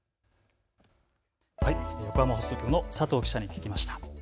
横浜放送局の佐藤記者に聞きました。